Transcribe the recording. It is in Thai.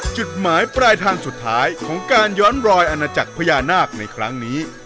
จุดหมายปลายทางสุดท้ายของการย้อนรอยอาณาจักรพญานาคในครั้งนี้